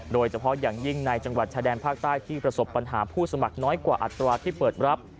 โดยเฉพาะอย่างยิ่งในจังหวัดชายแดนภาคใต้ที่ประสบปัญหาผู้สมัครน้อยกว่าอัตราที่เปิดรับ